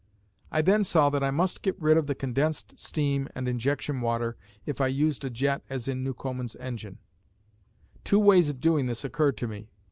I then saw that I must get rid of the condensed steam and injection water if I used a jet as in Newcomen's engine. Two ways of doing this occurred to me.